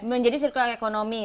menjadi sirkular ekonomi